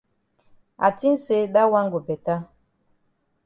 I tink say dat wan go beta.